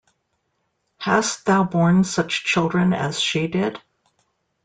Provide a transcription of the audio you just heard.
Hast thou borne such children as she did?